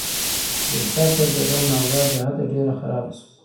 بېشکه، جګړن: اوضاع بېحده ډېره خرابه شوه.